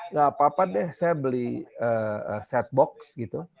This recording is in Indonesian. gak apa apa deh saya beli set box gitu